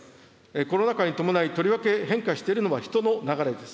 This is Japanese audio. コロナ禍に伴いとりわけ変化しているのは人の流れです。